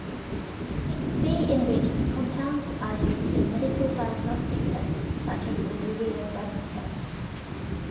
C-enriched compounds are used in medical diagnostic tests such as the urea breath test.